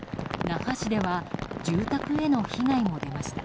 那覇市では住宅への被害も出ました。